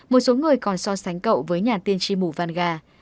một số người còn so sánh cậu với nhà tiên tri muvangar